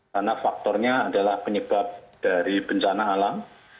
karena faktornya adalah penyebab dari bencana alam